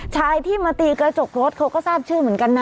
ชายที่มาตีกระจกรถเขาก็ทราบชื่อเหมือนกันนะ